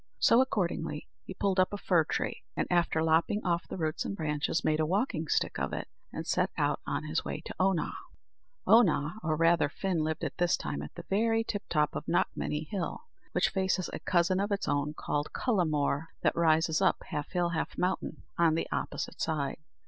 So, accordingly, he pulled up a fir tree, and, after lopping off the roots and branches, made a walking stick of it, and set out on his way to Oonagh. Oonagh, or rather Fin, lived at this time on the very tiptop of Knockmany Hill, which faces a cousin of its own called Cullamore, that rises up, half hill, half mountain, on the opposite side.